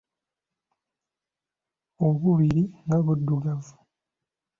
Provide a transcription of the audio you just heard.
Obubiri nga buddugavu.